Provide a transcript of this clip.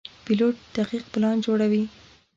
پیلوټ دقیق پلان جوړوي.